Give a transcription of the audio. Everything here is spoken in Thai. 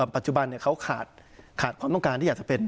ปัจจุบันเขาขาดความต้องการที่อยากจะเป็น